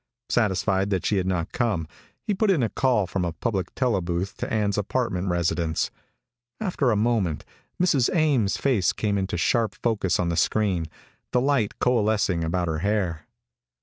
Satisfied that she had not come, he put in a call from a public tele booth to Ann's apartment residence. After a moment, Mrs. Ames' face came into sharp focus on the screen, the light coalescing about her hair.